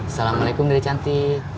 assalamualaikum dede cantik